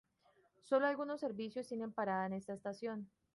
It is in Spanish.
Sólo algunos servicios tienen parada en esta estación.